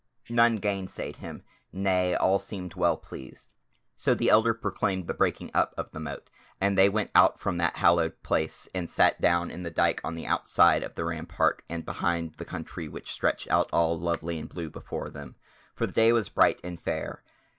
None gainsaid him; nay, all seemed well pleased. So the Elder proclaimed the breaking up of the mote, and they went from out the hallowed place and sat down in the dyke on the outside of the rampart and behind the country which stretched out all lovely and blue before them, for the day was bright and fair.